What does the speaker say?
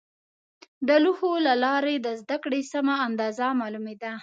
د لوحو له لارې د زده کړې سمه اندازه معلومېده.